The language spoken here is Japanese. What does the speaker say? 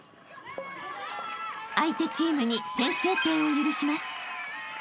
［相手チームに先制点を許します］